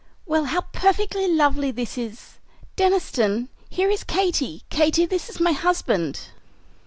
Well, how perfectly lovely this is! Deniston, here is Katy; Katy, this is my husband."